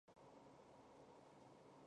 在美国获得图书馆学博士学位。